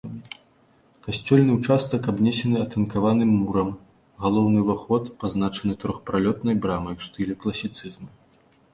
Касцёльны ўчастак абнесены атынкаваным мурам, галоўны ўваход пазначаны трохпралётнай брамай у стылі класіцызму.